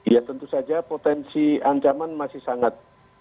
ya tentu saja potensi ancaman masih sangat